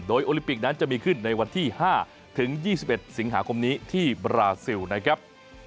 โดยโอลิมปิกนั้นจะมีขึ้นในวันที่๕ถึง๒๑สิงหาคมนี้ที่บราซิลนะครับ